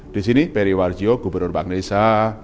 di sini periwarjo gubernur bank desa